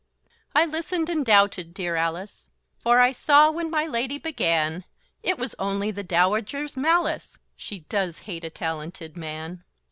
I listened, and doubted, dear Alice, For I saw, when my Lady began, It was only the Dowager's malice; She does hate a talented man!